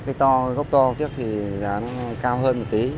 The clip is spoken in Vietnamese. cái gốc to thì giá nó cao hơn một tí